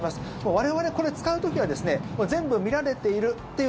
我々、これ使う時は全部見られているっていう